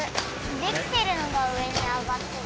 できてるのがうえにあがってる。